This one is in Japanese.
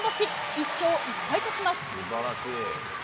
１勝１敗とします。